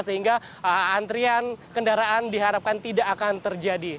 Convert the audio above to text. sehingga antrian kendaraan diharapkan tidak akan terjadi